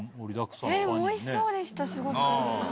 おいしそうでした、すごく。